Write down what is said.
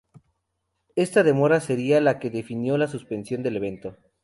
Esta demora sería la que definió la suspensión del evento.